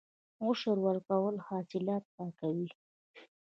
عشر ورکول حاصلات پاکوي.